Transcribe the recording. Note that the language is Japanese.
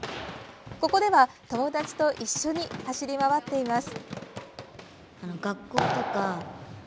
ここでは友達と一緒に走り回っています。